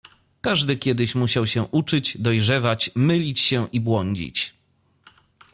Każdy kiedyś mu siał się uczyć, dojrzewać, mylić się i błądzić.